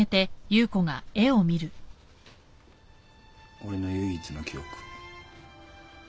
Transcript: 俺の唯一の記憶。